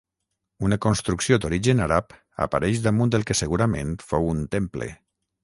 Una construcció d'origen àrab apareix damunt el que segurament fou un temple.